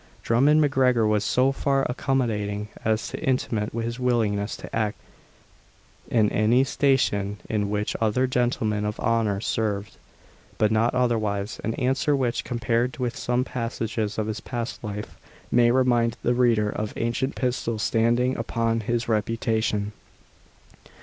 Drummond MacGregor was so far accommodating as to intimate his willingness to act in any station in which other gentlemen of honour served, but not otherwise; an answer which, compared with some passages of his past life, may remind the reader of Ancient Pistol standing upon his reputation.